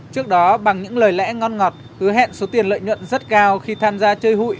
trước đó bằng những lời lẽ ngon ngọt hứa hẹn số tiền lợi nhuận rất cao khi tham gia chơi hụi